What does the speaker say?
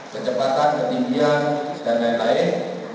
kecepatan ketinggian dan lain lain